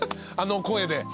あの声で。